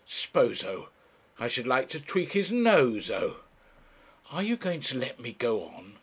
Sposo! I should like to tweak his nose oh!' 'Are you going to let me go on?'